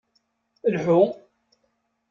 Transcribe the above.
Lḥu!